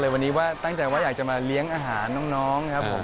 วันนี้ว่าตั้งใจว่าอยากจะมาเลี้ยงอาหารน้องครับผม